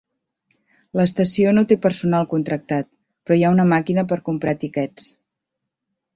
L'estació no té personal contractat, però hi ha una màquina per comprar tiquets.